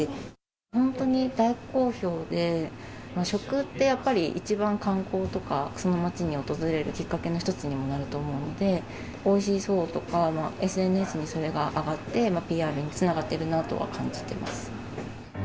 本当に大好評で、食ってやっぱり一番観光とか、その街に訪れるきっかけの一つにもなると思うので、おいしそうとか、ＳＮＳにそれが上がって、ＰＲにつながってるなとは感じてます。